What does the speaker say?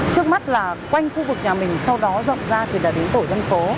trước mắt là quanh khu vực nhà mình sau đó rộng ra thì đã đến tổ dân phố